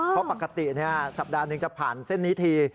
เพราะปกติสัปดาห์หนึ่งจะผ่านเส้นนี้ที